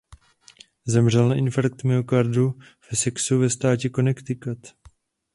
Zemřel na infarkt myokardu v Essexu ve státě Connecticut.